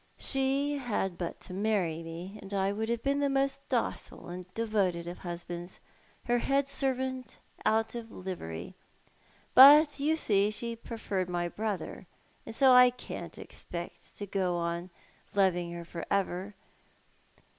She had but to marry me, and I would have been the most docile and devoted of husbands— her head servant out of livery. But you see she preferred my brother, and so I can't be expected to go on loving her for ever.